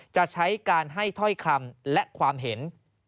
จะใช้การให้ถ้อยคำและความเห็น